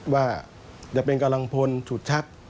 ว่าจะเป็นกำลังพลฉุดชัก